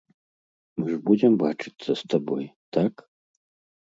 Мы ж будзем бачыцца з табой, так?